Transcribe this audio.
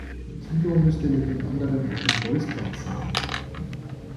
Thilo müsste mit den anderen auf dem Bolzplatz sein.